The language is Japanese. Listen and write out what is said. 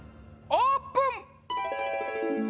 オープン！